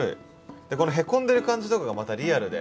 このへこんでる感じとかがまたリアルで。